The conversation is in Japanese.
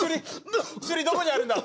どこにあるんだ？